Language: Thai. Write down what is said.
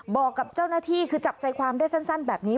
บอกกับเจ้าหน้าที่คือจับใจความได้สั้นแบบนี้